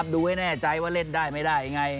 ดูให้แน่ใจว่าเล่นได้ไม่ได้ยังไง